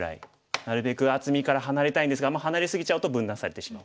なるべく厚みから離れたいんですが離れ過ぎちゃうと分断されてしまう。